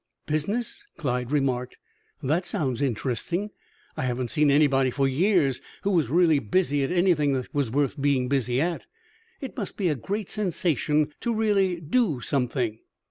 "Business!" Clyde remarked. "That sounds interesting. I haven't seen anybody for years who was really busy at anything that was worth being busy at. It must be a great sensation to really do something."